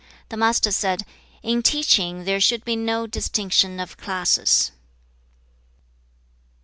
The Master said, 'In teaching there should be no distinction of classes.'